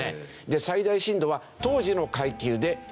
最大震度は当時の階級で震度６。